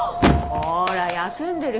ほら休んでる